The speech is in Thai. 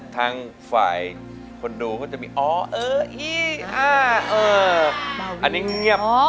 ทางฝ่ายคนดูก็จะมีอ๋อเอออันนี้เงียบ